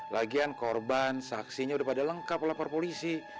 lagian korban saksinya udah pada lengkap lapor polisi